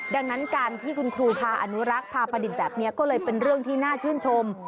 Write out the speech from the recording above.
ดังนั้นการที่คุณครูพาอนุรักษ์พาประดิษฐ์แบบนี้ก็เลยเป็นเรื่องที่น่าชื่นชม